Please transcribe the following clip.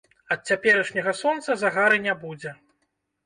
Ад цяперашняга сонца загары не будзе.